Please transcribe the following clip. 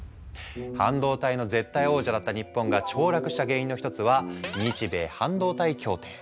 半導体の絶対王者だった日本がちょう落した原因の一つは日米半導体協定。